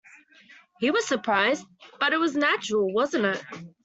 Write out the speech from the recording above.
He was surprised; but it was natural, wasn't it?